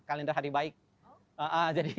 kalender hari baik jadi